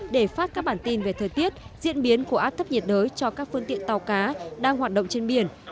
để phát các bản tin về thời tiết diễn biến của áp thấp nhiệt đới cho các phương tiện tàu cá đang hoạt động trên biển